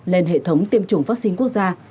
lên hệ thống tiêm chủng vaccine quốc gia